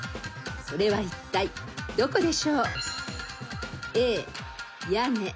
それはいったいどこでしょう？］